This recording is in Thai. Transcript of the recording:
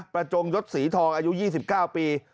จงยศศรีทองอายุ๒๙ปี